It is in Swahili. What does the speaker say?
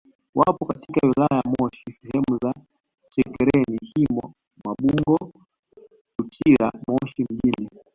Wapo katika wilaya ya Moshi sehemu za Chekereni Himo Mabungo Uchira Moshi mjini